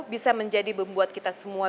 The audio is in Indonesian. bisa menjadi membuat kita semua